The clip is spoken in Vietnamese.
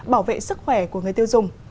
bảo vệ sức khỏe của người tiêu dùng